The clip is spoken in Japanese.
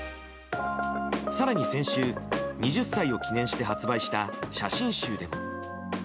更に先週、２０歳を記念して発売した写真集でも。